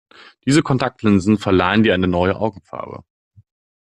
Diese Kontaktlinsen verleihen dir eine neue Augenfarbe.